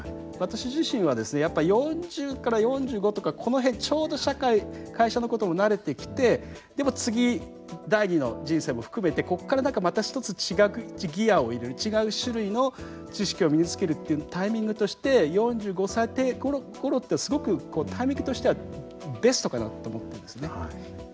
私自身はですねやっぱ４０から４５とかこの辺ちょうど社会会社のことも慣れてきてでも次第２の人生も含めてこっから何かまた一つ違うギアを入れる違う種類の知識を身につけるっていうタイミングとして４５歳ごろっていうのはすごくタイミングとしてはベストかなと思ってるんですね。